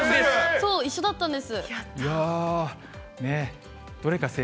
そう、一緒だったんです。